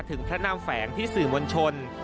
ถึงพระนามแฝงที่สื่อมวลชน